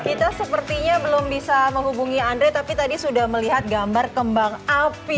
kita sepertinya belum bisa menghubungi andre tapi tadi sudah melihat gambar kembang api